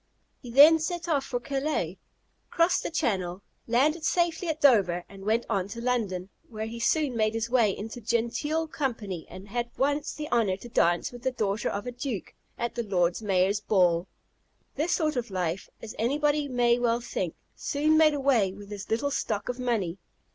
He then set off for Calais, crossed the Channel, landed safely at Dover, and went on to London, where he soon made his way into genteel company, and had once the honour to dance with the daughter of a Duke at the Lord Mayor's ball. This sort of life, as anybody may well think, soon made away with his little stock of money.